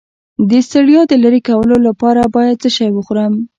د ستړیا د لرې کولو لپاره باید څه شی وخورم؟